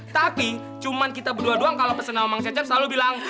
tapi cuman kita berdua doang kalo pesen sama mang cecep selalu bilang